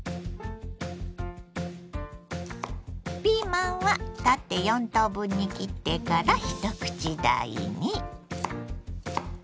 ピーマンは縦４等分に切ってから一口大に。